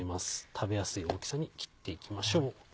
食べやすい大きさに切っていきましょう。